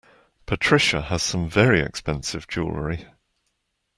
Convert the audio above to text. Patricia has some very expensive jewellery